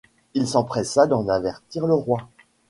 Il s'empressa d'en avertir le roi.